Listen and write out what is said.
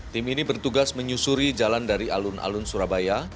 tim ini bertugas menyusuri jalan dari alun alun surabaya